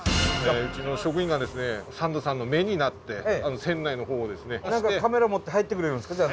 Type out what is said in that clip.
うちの職員がですねサンドさんの目になって船内の方をですね。何かカメラ持って入ってくれるんですか？